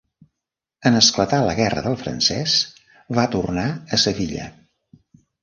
En esclatar la Guerra del Francès va tornar a Sevilla.